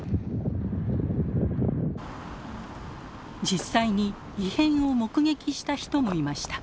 実際に異変を目撃した人もいました。